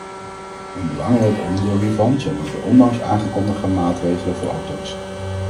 Een belangrijk onderdeel hiervan zijn ook de onlangs aangekondigde maatregelen voor auto's.